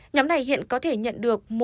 nhóm này hiện có thể nhận được